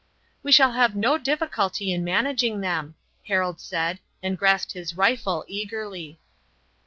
"We shall have no difficulty in managing them," Harold said, and grasped his rifle eagerly.